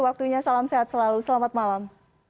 waktunya salam sehat selalu selamat malam